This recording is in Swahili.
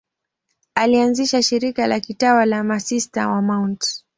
Alianzisha shirika la kitawa la Masista wa Mt.